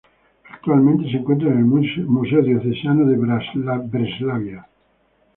Actualmente se encuentra en el museo diocesano de Breslavia.